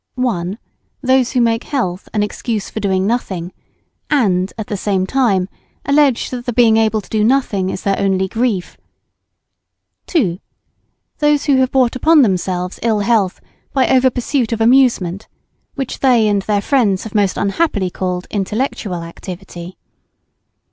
1. Those who make health an excuse for doing nothing, and at the same time allege that the being able to do nothing is their only grief. 2. Those who have brought upon themselves ill health by over pursuit of amusement, which they and their friends have most unhappily called intellectual activity.